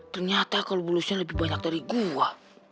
ternyata kalau bulusnya lebih banyak dari gua